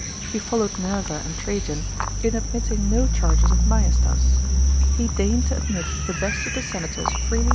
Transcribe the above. He followed Nerva aid Trajan in admitting no charges of maiestas. He " deigned to admit the best of the senators freely